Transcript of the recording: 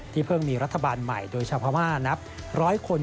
เพิ่งมีรัฐบาลใหม่โดยชาวพม่านับร้อยคน